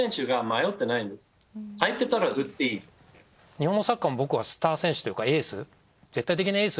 日本のサッカーも僕はスター選手というかエース。